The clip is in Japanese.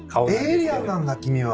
エイリアンなんだ君は。